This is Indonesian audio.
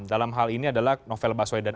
dalam hal ini adalah novel baswedan